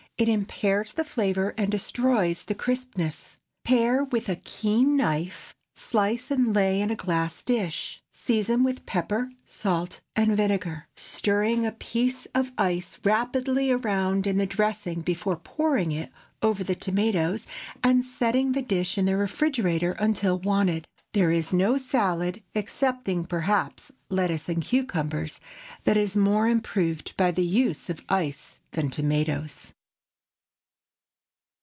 It impairs the flavor and destroys the crispness. Pare with a keen knife, slice and lay in a glass dish. Season with pepper, salt, and vinegar, stirring a piece of ice rapidly around in the dressing before pouring it over the tomatoes, and setting the dish in the refrigerator until wanted. There is no salad, excepting, perhaps, lettuce and cucumbers, that is more improved by the use of ice than tomatoes.